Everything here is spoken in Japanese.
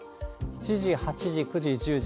７時、８時、９時、１０時。